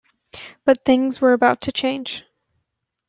But things were about to change.